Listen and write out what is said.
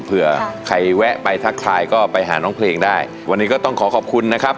เผื่อใครแวะไปทักทายก็ไปหาน้องเพลงได้วันนี้ก็ต้องขอขอบคุณนะครับ